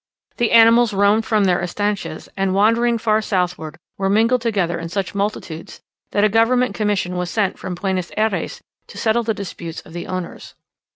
The animals roamed from their estancias, and, wandering far southward, were mingled together in such multitudes, that a government commission was sent from Buenos Ayres to settle the disputes of the owners.